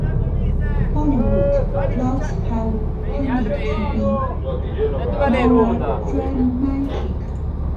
Bollywood plots have tended to be melodramatic.